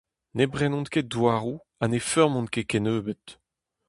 Ne brenont ket douaroù ha ne feurmont ket kennebeut.